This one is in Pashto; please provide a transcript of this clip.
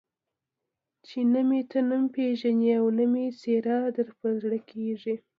چې نه مې ته نوم پېژنې او نه مې څېره در په زړه کېږي.